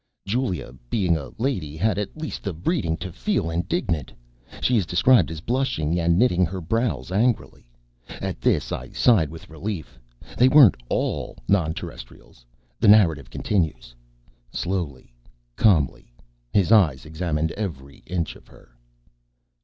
_ Julia, being a lady, had at least the breeding to feel indignant. She is described as blushing and knitting her brows angrily. At this, I sighed with relief. They weren't all non Terrestrials. The narrative continues: _... slowly, calmly, his eyes examined every inch of her.